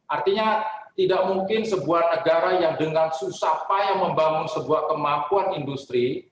artinya tidak mungkin sebuah negara yang dengan susah payah membangun sebuah kemampuan industri